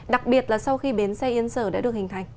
đặc biệt là sau khi bến xe yên sở đã được hình thành